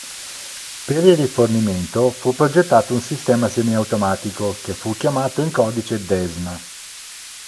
Per il rifornimento, fu progettato un sistema semiautomatico, che fu chiamato in codice Desna.